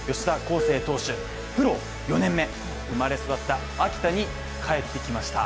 プロ４年目、生まれ育った秋田に帰ってきました